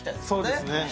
そうですね。